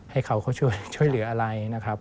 ให้เขาเขาช่วยเหลืออะไรนะครับ